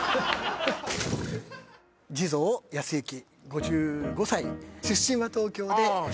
地蔵保幸５５歳出身は東京であ